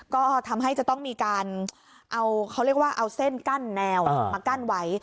ก็ทำให้จะต้องมีการเอาเส้นกั้นแนวมากั้นไว้